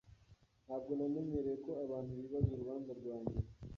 Ntabwo namenyereye ko abantu bibaza urubanza rwanjye.